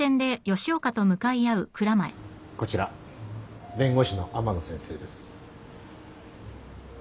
こちら弁護士の天野先生です。